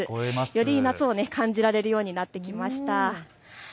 より夏を感じられるようになってきました。